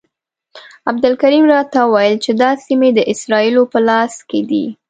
عبدالکریم راته وویل چې دا سیمې د اسرائیلو په لاس کې دي.